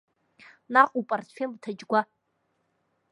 Наҟ упартфел иҭаџьгәа.